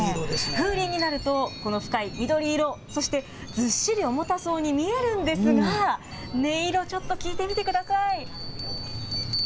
風鈴になると、この深い緑色、そしてずっしり重たそうに見えるんですが、音色、ちょっと聞いてみてください。